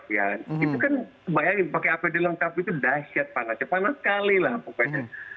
itu kan bayangin pakai apd lengkap itu dahsyat panasnya panas sekali lah pokoknya